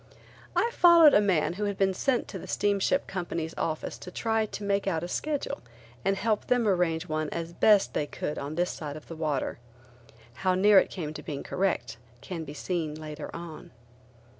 I followed a man who had been sent to a steamship company's office to try to make out a schedule and help them arrange one as best they could on this side of the water. How near it came to being correct can be seen later on.